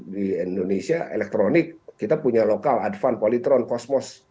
di indonesia elektronik kita punya lokal advan polytron cosmos